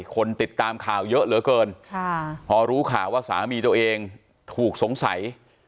คนติดตามข่าวเยอะเหลือเกินพอรู้ข่าวว่าสามีตัวเองถูกสงสัย